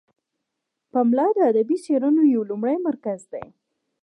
پملا د ادبي څیړنو یو لومړی مرکز دی.